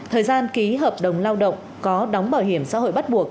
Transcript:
thời gian ký hợp đồng lao động có đóng bảo hiểm xã hội bắt buộc